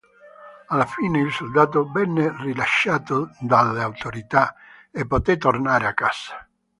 Alla fine il soldato venne rilasciato dalle autorità e poté tornare a casa.